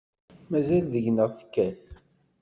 Mazal deg-neɣ tekkat.